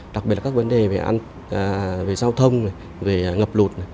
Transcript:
đặc biệt là các vấn đề về giao thông về ngập lụt